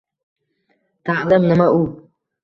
Ta’lim – nima u?